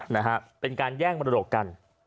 นะฮะเป็นการแย่งมรดกกัน